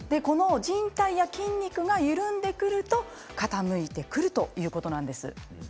この筋肉やじん帯が緩んでくると傾いてくるということなんです。